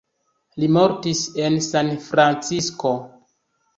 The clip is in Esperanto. Li mortis en Sanfrancisko.